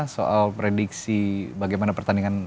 soal prediksi bagaimana pertandingan